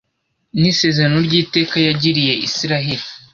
n’isezerano ry’iteka yagiriye Israheli